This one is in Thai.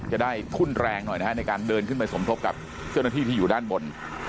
จะได้ทุ่นแรงหน่อยนะฮะในการเดินขึ้นไปสมทบกับเจ้าหน้าที่ที่อยู่ด้านบน